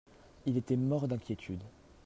Il était mort d'inquiétude.